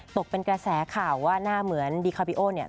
ตกเป็นกระแสข่าวว่าหน้าเหมือนดีคาบิโอเนี่ย